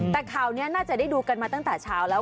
แต่ข่าวนี้น่าจะได้ดูกันมาตั้งแต่เช้าแล้ว